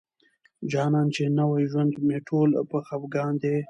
جانان چې نوي ژوند مي ټوله په خفګان دی